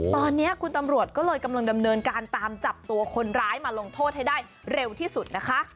ตอนนี้คุณตำรวจก็เลยกำลังดำเนินการตามจับตัวคนร้ายมาลงโทษให้ได้เร็วที่สุดนะคะ